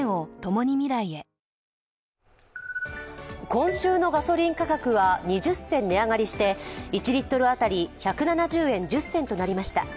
今週のガソリン価格は２０銭値上がりして１リットル当たり１７０円１０銭となりました。